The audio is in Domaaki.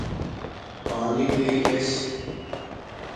پانی لݵ ایس